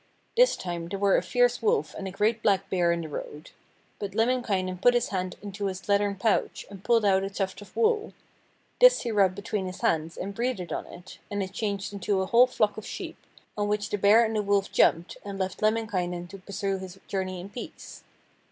This time there were a fierce wolf and a great black bear in the road. But Lemminkainen put his hand into his leathern pouch and pulled out a tuft of wool. This he rubbed between his hands and breathed on it, and it changed into a whole flock of sheep, on which the bear and the wolf jumped and left Lemminkainen to pursue his journey in peace.